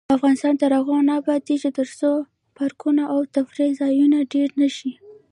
افغانستان تر هغو نه ابادیږي، ترڅو پارکونه او تفریح ځایونه ډیر نشي.